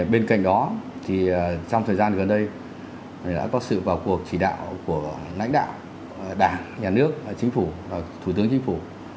bên cạnh đó thì trong thời gian gần đây đã có sự vào cuộc chỉ đạo của lãnh đạo đảng nhà nước chính phủ và thủ tướng chính phủ